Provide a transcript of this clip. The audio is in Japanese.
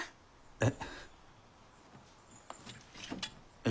えっ！